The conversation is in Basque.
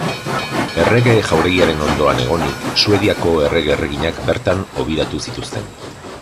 Errege Jauregiaren ondoan egonik Suediako errege erreginak bertan hobiratu zituzten.